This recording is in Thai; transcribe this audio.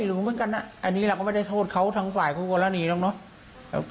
ก็ไม่รู้เหมือนกันนะอันนี้ละก็ไม่ได้โทษเขาทั้งฝ่ายครูกรณีเนอะเนอะ